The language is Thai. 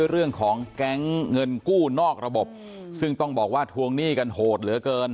เรื่องของแก๊งเงินกู้นอกระบบซึ่งต้องบอกว่าทวงหนี้กันโหดเหลือเกิน